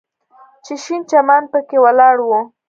چې شين چمن پکښې ولاړ و.